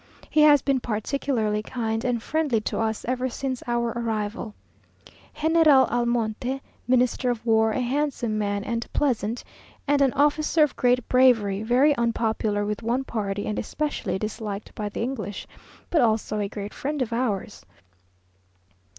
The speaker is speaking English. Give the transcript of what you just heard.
He has been particularly kind and friendly to us ever since our arrival General Almonte, Minister of War, a handsome man and pleasant, and an officer of great bravery very unpopular with one party and especially disliked by the English, but also a great friend of ours.